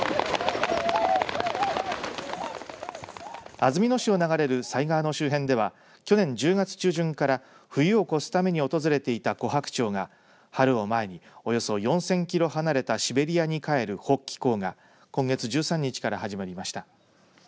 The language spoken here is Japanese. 安曇野市を流れる犀川の周辺では去年１０月中旬から冬を越すために訪れていたコハクチョウが春を前におよそ４０００キロ離れたシベリアに帰る北帰行が今月１３日から始まりました。